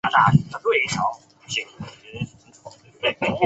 洛基的赌注是连续体谬误的一例。